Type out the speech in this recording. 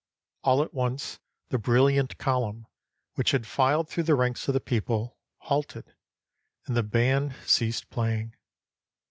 All at once the brilliant column, which had filed through the ranks of the people, halted, and the band ceased playing.